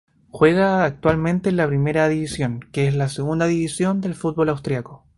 Juega actualmente en la Primera División, que es la segunda división del fútbol austríaco.